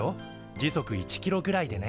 時速１キロぐらいでね。